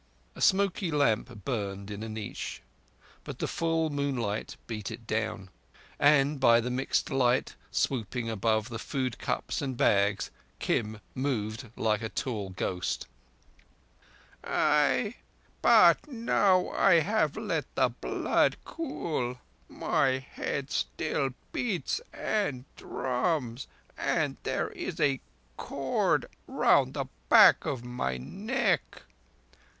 A smoky lamp burned in a niche, but the full moonlight beat it down; and by the mixed light, stooping above the food bag and cups, Kim moved like a tall ghost. "Ai! But now I have let the blood cool, my head still beats and drums, and there is a cord round the back of my neck."